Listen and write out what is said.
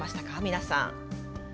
皆さん。